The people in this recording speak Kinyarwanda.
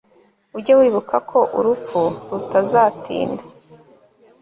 ujye wibuka ko urupfu rutazatinda